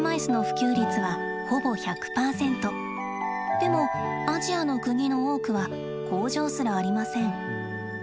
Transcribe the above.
でもアジアの国の多くは工場すらありません。